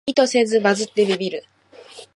意図せずバズってビビる